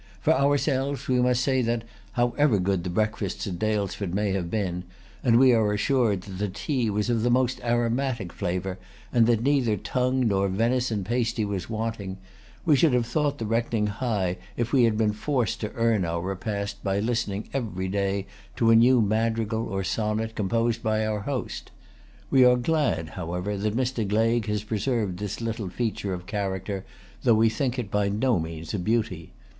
For ourselves we must say that, however good the breakfasts at Daylesford may have been,—and we are assured that the tea was of the most aromatic flavor, and that neither tongue nor venison pasty was wanting,—we should have thought the reckoning high if we had been forced to earn our repast by listening every day to a new madrigal or sonnet composed by our host. We are glad, however, that Mr. Gleig has preserved this little feature of character, though we think it by no means a beauty.